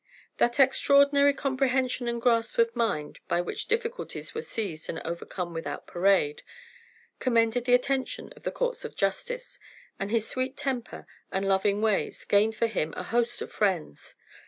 That extraordinary comprehension and grasp of mind by which difficulties were seized and overcome without parade, commended the attention of the courts of justice; and his sweet temper and loving ways gained for him a host of friends.